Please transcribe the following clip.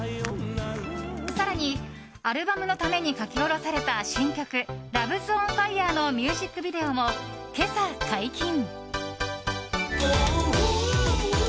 更に、アルバムのために書き下ろされた新曲「ＬＯＶＥ’ＳＯＮＦＩＲＥ」のミュージックビデオも今朝、解禁。